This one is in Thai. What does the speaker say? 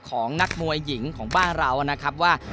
ของนักมวยหญิงของบ้านเรานะครับว่า